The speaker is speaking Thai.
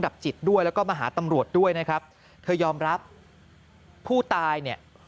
ดับจิตด้วยแล้วก็มาหาตำรวจด้วยนะครับเธอยอมรับผู้ตายเนี่ย